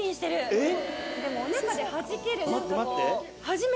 えっ？